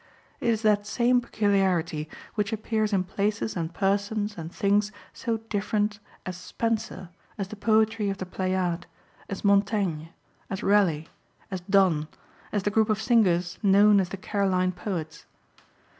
It is that same peculiarity which appears in places and persons and things so different as Spenser, as the poetry of the Pléiade, as Montaigne, as Raleigh, as Donne, as the group of singers known as the Caroline poets.